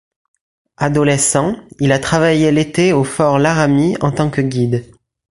Adolescent, il a travaillé l'été au Fort Laramie en tant que guide.